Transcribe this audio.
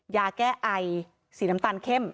ยาแก้ไอสีน้ำตาลเข้ม